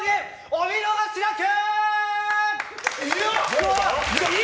お見逃しなく！